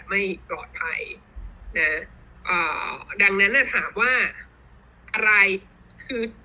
ไม่ปลอดภัยนะอ่าดังนั้นน่ะถามว่าอะไรคือ